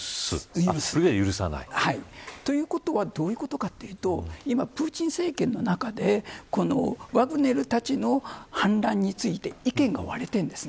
ということはどいうことかというと今、プーチン政権の中でワグネルたちの反乱について意見が割れてるんです。